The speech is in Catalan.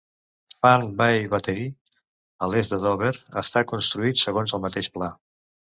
Fan Bay Battery a l'est de Dover està construït segons el mateix pla.